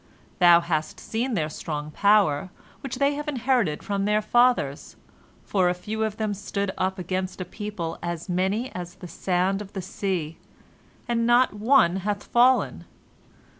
Thou hast seen their strong power, which they have inherited from their fathers, for a few of them stood up against a people as many as the sand of the sea, and not one hath fallen.